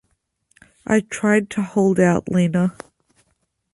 I tried to hold out, Lena.